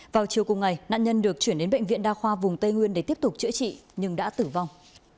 vào chiều cùng ngày nạn nhân được chuyển đến bệnh viện đa khoa vùng tây nguyên để tiếp tục chữa trị nhưng đã tử vong